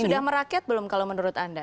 tapi sudah meraket belum kalau menurut anda